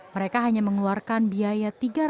mereka hanya mengeluarkan biaya